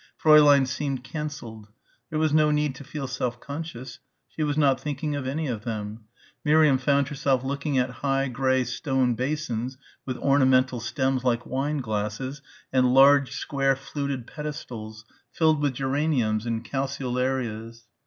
Fräulein seemed cancelled. There was no need to feel self conscious. She was not thinking of any of them. Miriam found herself looking at high grey stone basins, with ornamental stems like wine glasses and large square fluted pedestals, filled with geraniums and calceolarias.